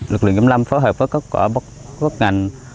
lực lượng giám lâm phối hợp với các quả bất ngành